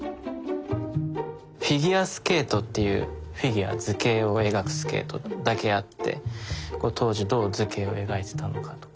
フィギュアスケートっていうフィギュア図形を描くスケートだけあって当時どう図形を描いてたのかとか。